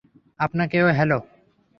আপনাকেও, হ্যালো।